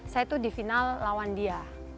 saya tuh di final lawan dia